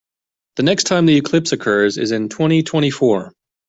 The next time the eclipse occurs is in twenty-twenty-four.